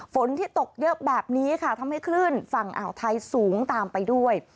ฝนที่ตกเยอะแบบนี้ค่ะทำให้คลื่นฝั่งอ่าวไทยสูงตามไปด้วย